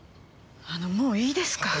あのもういいですか？